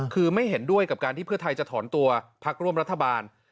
คือไม่เห็นด้วยกับการที่เพื่อไทยจะถอนตัวพักร่วมรัฐบาล